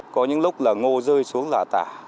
có những lúc là ngô rơi xuống là tả